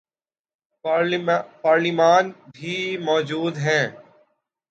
پارلیمان بھی موجود ہے۔